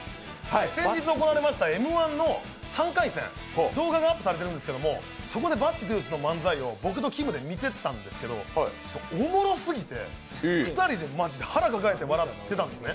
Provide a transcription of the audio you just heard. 先日行われましたＭ−１の３回戦、動画がアップされているんですけど、そこでバッチトゥースを僕ときむで見てたんですけどおもろすぎて２人でマジで腹抱えて笑ってたんですね。